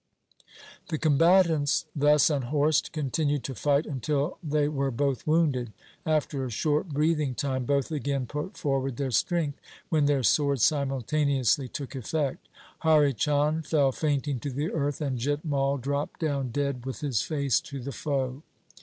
The combatants thus unhorsed continued to fight until they were both wounded. After a short breathing time, both again put forward their strength, when their swords simultaneously took effect. Hari Chand fell fainting to the earth, and Jit Mai dropped down dead with his face to the foe.